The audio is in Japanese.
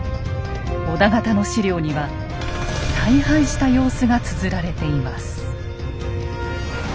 織田方の史料には大敗した様子がつづられています。